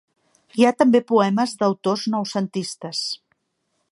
Hi ha també poemes d'autors noucentistes.